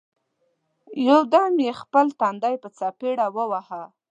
یو دم یې خپل تندی په څپېړه وواهه!